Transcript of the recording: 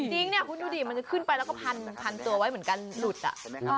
จริงเนี่ยคุณดูดิมันจะขึ้นไปแล้วก็พันตัวไว้เหมือนกันหลุดอ่ะใช่ไหมครับ